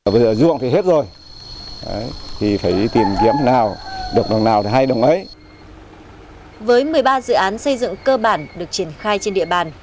với một mươi ba dự án xây dựng cơ bản được triển khai trên địa bàn